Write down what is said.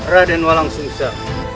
raden walang sumsal